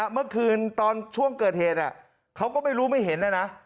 เมื่อคืนตอนช่วงเกิดเหตุเขาก็ไม่รู้ไม่เห็นนะนะ